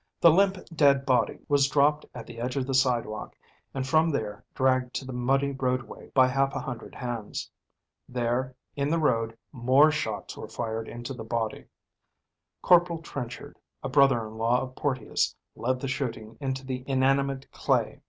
The limp dead body was dropped at the edge of the sidewalk and from there dragged to the muddy roadway by half a hundred hands. There in the road more shots were fired into the body. Corporal Trenchard, a brother in law of Porteus, led the shooting into the inanimate clay.